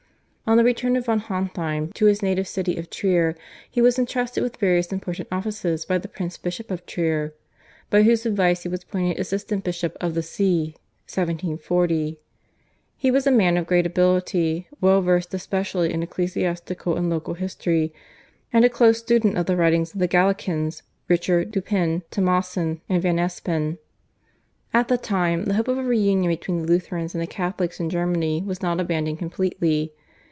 On the return of von Hontheim to his native city of Trier he was entrusted with various important offices by the Prince bishop of Trier, by whose advice he was appointed assistant bishop of that See (1740). He was a man of great ability, well versed especially in ecclesiastical and local history, and a close student of the writings of the Gallicans (Richer, Dupin, Thomassin, and Van Espen). At the time the hope of a reunion between the Lutherans and the Catholics in Germany was not abandoned completely.